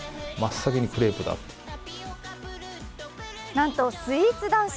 なんとスイーツ男子。